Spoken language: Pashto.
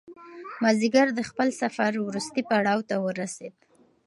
مازیګر د خپل سفر وروستي پړاو ته ورسېد.